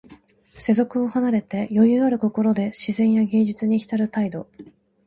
世俗を離れて、余裕ある心で自然や芸術にひたる態度。